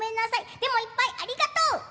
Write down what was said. でもいっぱい、ありがとう。